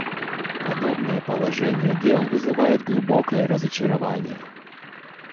Подобное положение дел вызывает глубокое разочарование.